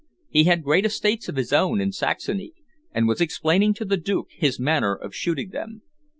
He had great estates of his own in Saxony and was explaining to the Duke his manner of shooting them.